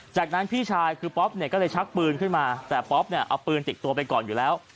จากนั้นพี่ชายคือป๊อปเนี่ยก็เลยชักปืนขึ้นมาแต่ป๊อปเนี่ยเอาปืนติดตัวไปก่อนอยู่แล้ว